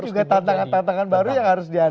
itu juga tantangan tantangan baru yang harus diadakan